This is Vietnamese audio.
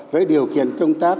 với điều kiện công tác